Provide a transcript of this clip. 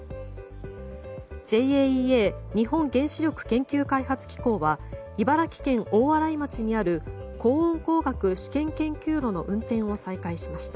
ＪＡＥＡ・日本原子力研究開発機構は茨城県大洗町にある高温工学試験研究炉の運転を再開しました。